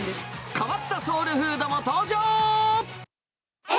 変わったソウルフードも登場。